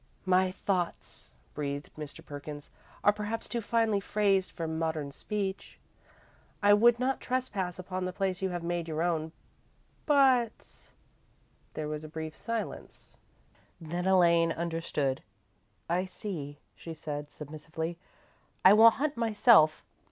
"My thoughts," breathed Mr. Perkins, "are perhaps too finely phrased for modern speech. I would not trespass upon the place you have made your own, but " There was a brief silence, then Elaine understood. "I see," she said, submissively, "I will hunt myself.